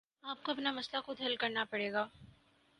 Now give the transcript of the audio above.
آپ کو اپنا مسئلہ خود حل کرنا پڑے گا